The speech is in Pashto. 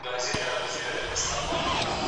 تاسي تېره میاشت چېري همېشهلي سواست؟